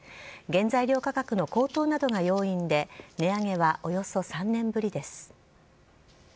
原材料価格の高騰などが要因で、値上げはおよそ３年ぶりです。